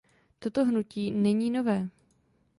Toto hnutí není nové.